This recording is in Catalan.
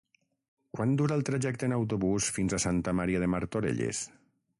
Quant dura el trajecte en autobús fins a Santa Maria de Martorelles?